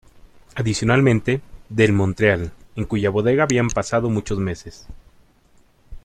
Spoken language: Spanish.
Adicionalmente, del Montreal, en cuya bodega habían pasado muchos meses.